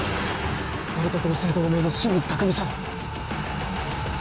俺と同姓同名の清水拓海さん